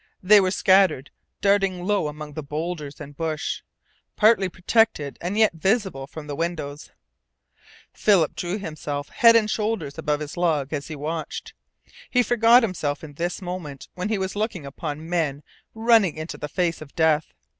They were scattered, darting low among the boulders and bush, partly protected and yet visible from the windows. Philip drew himself head and shoulders over his log as he watched. He forgot himself in this moment when he was looking upon men running into the face of death.